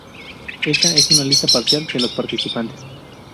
Esta es una lista parcial de los participantes.